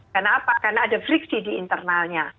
kenapa karena ada friksi di internalnya